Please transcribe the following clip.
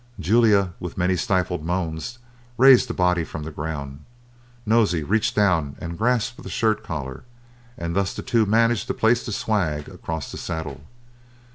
Julia, with many stifled moans, raised the body from the ground, Nosey reached down and grasped the shirt collar, and thus the two managed to place the swag across the saddle.